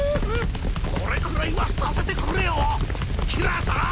これくらいはさせてくれよキラーさん！